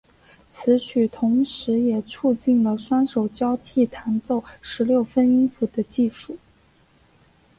此曲同时也促进了双手交替弹奏十六分音符的技术。